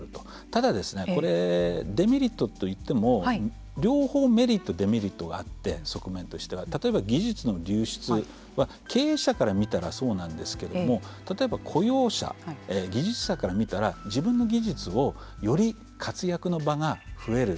ただ、これデメリットといっても両方メリット、デメリットがあって側面としては例えば技術の流失は経営者から見たらそうなんですけども例えば雇用者技術者から見たら自分の活躍の場が増える。